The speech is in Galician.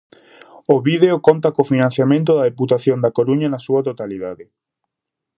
O vídeo conta co financiamento da Deputación da Coruña na súa totalidade.